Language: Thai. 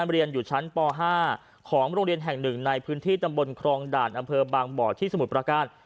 เรียนอยู่ชั้นป๕ของโรงเรียนแห่งหนึ่งในพื้นที่ตำบลครองด่านอำเภอบางบ่อที่สมุทรประการ